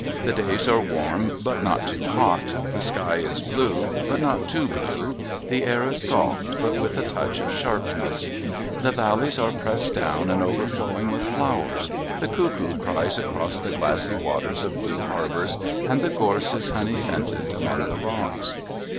The days are warm but not too hot; the sky is blue but not too blue, the air is soft but with a touch of sharpness The valleys are pressed down and overflowing with flowers; the cuckoo cries across the glassy waters of blue harbours, and the gorse is honey scented among the rocks.